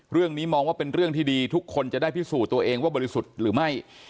เรื่องนี้มองว่าเป็นเรื่องที่ดีทุกคนจะได้พิสูจน์ตัวเองว่าบริสุทธิ์หรือไม่